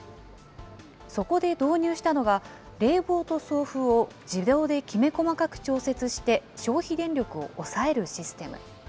そこで導入したのが、冷房と送風を自動できめ細かく調節して消費電力を抑えるシステム。